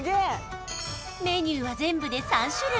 メニューは全部で３種類！